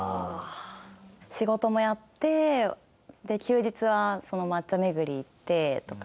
仕事もやってで休日は抹茶巡り行ってとか。